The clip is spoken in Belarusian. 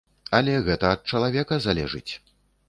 Але гэта ад чалавека залежыць.